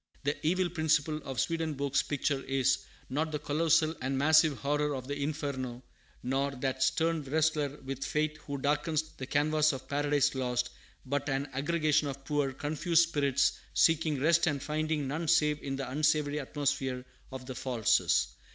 The evil principle in Swedenborg's picture is, not the colossal and massive horror of the Inferno, nor that stern wrestler with fate who darkens the canvas of Paradise Lost, but an aggregation of poor, confused spirits, seeking rest and finding none save in the unsavory atmosphere of the "falses."